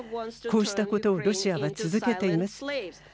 こうしたことをロシアは続けています。